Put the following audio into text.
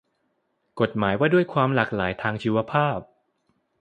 กฎหมายว่าด้วยความหลากหลายทางชีวภาพ